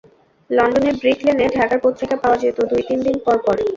লন্ডনের ব্রিক লেনে ঢাকার পত্রিকা পাওয়া যেত দুই তিন দিন পর পর।